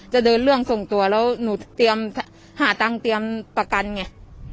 จะเดินเรื่องส่งตัวแล้วหนูเตรียมหาตังค์เตรียมประกันไง